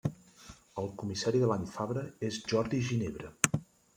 El Comissari de l'Any Fabra és Jordi Ginebra.